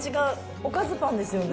おかずパンですよね。